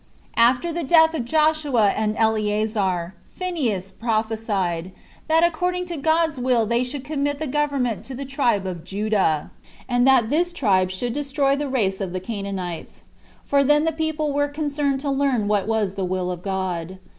1. After the death of Joshua and Eleazar, Phineas prophesied, 10 that according to God's will they should commit the government to the tribe of Judah, and that this tribe should destroy the race of the Canaanites; for then the people were concerned to learn what was the will of God.